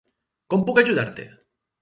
Com puc ajudar-te?